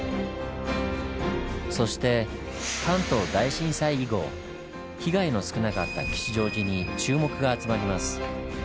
そして関東大震災以後被害の少なかった吉祥寺に注目が集まります。